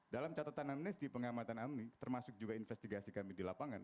dalam catatan anis di pengamatan anis termasuk juga investigasi kami di lapangan